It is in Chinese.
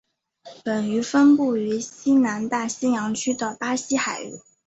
本鱼分布于西南大西洋区的巴西海域。